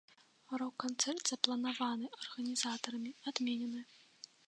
Рок-канцэрт, запланаваны арганізатарамі, адменены.